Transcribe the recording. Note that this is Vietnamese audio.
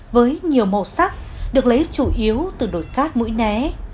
với nhiều màu sắc được lấy chủ yếu từ đồi cát mũi né